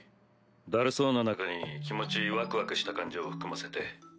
だるそうな中に気持ちワクワクした感じを含ませて。